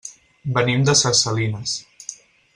Venim de ses Salines.